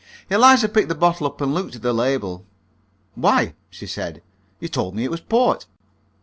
Eliza picked the bottle up and looked at the label. "Why," she said, "you told me it was port!"